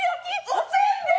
おせんべい。